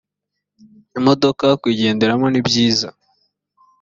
imodoka kuyigendamo nibyiza